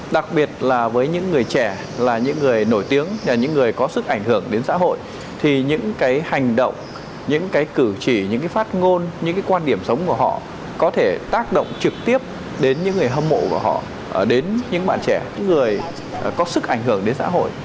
đặc biệt là với những người trẻ là những người nổi tiếng là những người có sức ảnh hưởng đến xã hội thì những cái hành động những cái cử chỉ những cái phát ngôn những cái quan điểm sống của họ có thể tác động trực tiếp đến những người hâm mộ của họ đến những bạn trẻ những người có sức ảnh hưởng đến xã hội